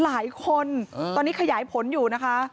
หลายคนตอนนี้ขยายผลอยู่นะคะ